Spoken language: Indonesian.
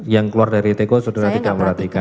yang keluar dari teko saudara tidak perhatikan